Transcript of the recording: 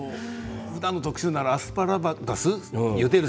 ふだんの特集ならアスパラガスのゆでる